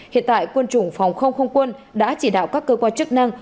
hiện tại quân chủng phòng không không quân đã chỉ đạo các cơ quan chức năng